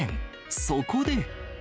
そこで。